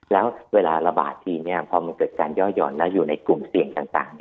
แล้วเวลาระบาดทีพอมันเกิดการย่อหย่อนแล้วอยู่ในกลุ่มเสี่ยงต่าง